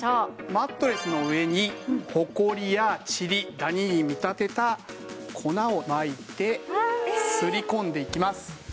マットレスの上にホコリやチリダニに見立てた粉をまいてすり込んでいきます。